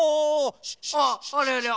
ああありゃりゃ！